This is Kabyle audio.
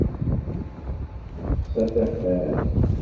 Texsa tafat.